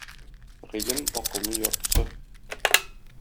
Гыйлем — акылның яртысы.